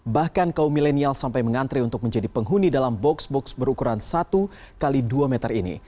bahkan kaum milenial sampai mengantre untuk menjadi penghuni dalam box box berukuran satu x dua meter ini